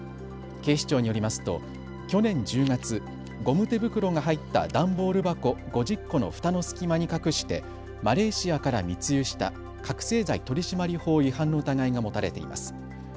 警視庁によりますと去年１０月、ゴム手袋が入った段ボール箱５０個のふたの隙間に隠してマレーシアから密輸した覚醒剤取締法違反の疑いが持たれています。